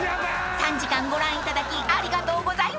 ［３時間ご覧いただきありがとうございました］